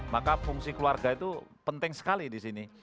maka fungsi keluarga itu penting sekali di sini